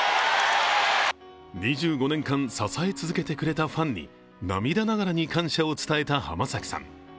２５年間、支え続けてくれたファンに涙ながらに感謝を伝えた浜崎さん。